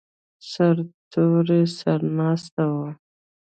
سرتور سر ناست و.